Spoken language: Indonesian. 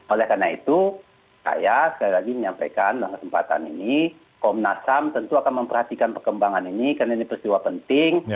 oleh karena itu saya sekali lagi menyampaikan dalam kesempatan ini komnas ham tentu akan memperhatikan perkembangan ini karena ini peristiwa penting